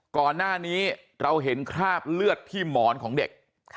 ก่อนหน้านี้เราเห็นคราบเลือดที่หมอนของเด็ก